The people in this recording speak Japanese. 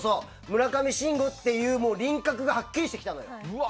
村上信五という輪郭がはっきりしてきたのよ。